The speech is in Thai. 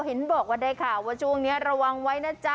เห็นบอกว่าได้ข่าวว่าช่วงนี้ระวังไว้นะจ๊ะ